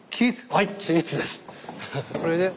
はい！